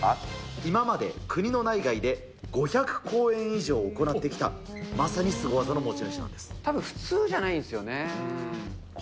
今まで国の内外で５００公演以上行ってきた、まさにスゴ技の持ちたぶん、普通じゃないんですよね。